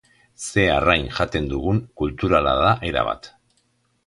Zer arrain jaten dugun kulturala da erabat.